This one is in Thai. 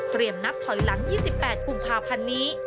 นับถอยหลัง๒๘กุมภาพันธ์นี้